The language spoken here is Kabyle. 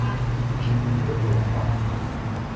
Ǧǧan-iyi ad ṛuḥeɣ.